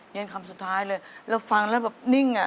เย็นคำสุดท้ายเลยเราฟังแล้วแบบนิ่งอ่ะ